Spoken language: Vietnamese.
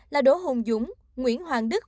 là đỗ hồn dũng nguyễn hoàng đức